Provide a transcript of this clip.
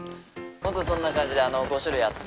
本当そんな感じで５種類あって。